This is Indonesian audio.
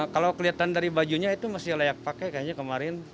kalau kelihatan dari bajunya itu masih layak pakai kayaknya kemarin